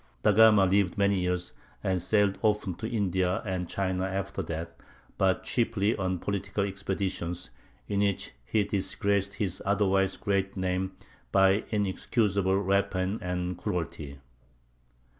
Da Gama lived many years, and sailed often to India and China after that; but chiefly on political expeditions, in which he disgraced his otherwise great name by inexcusable rapine and cruelty.